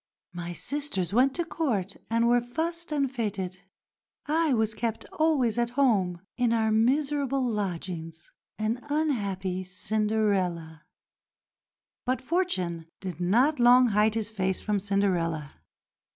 My sisters went to Court and were fussed and fêted. I was kept always at home, in our miserable lodgings, an unhappy Cinderella." But Fortune did not long hide his face from Cinderella.